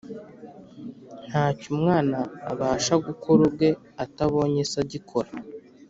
“Ntacyo Umwana abasha gukora ubwe, atabonye Se agikora”